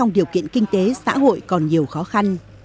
điều kiện kinh tế xã hội còn nhiều khó khăn